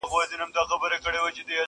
o د خيرات په ورځ د يتيم پزه ويني سي٫